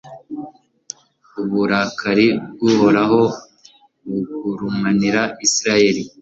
uburakari bw'uhoraho bugurumanira israheli